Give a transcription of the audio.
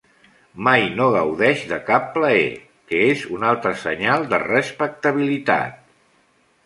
Mai no gaudeix de cap plaer, que és un altre senyal de respectabilitat.